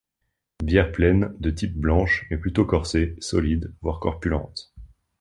Bière pleine, de type blanche mais plutôt corsée, solide, voire corpulente.